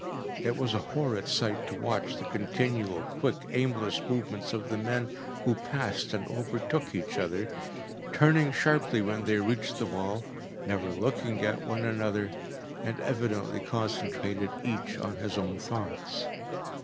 It was a horrid sight to watch the continual, quick, aimless movements of the men who passed and overtook each other, turning sharply when they reached the wall, never looking at one another, and evidently concentrated each on his own thoughts.